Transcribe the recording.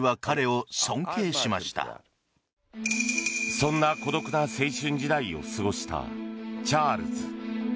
そんな孤独な青春時代を過ごしたチャールズ。